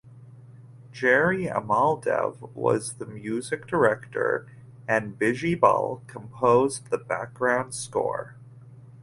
Jerry Amaldev was the music director and Bijibal composed the background score.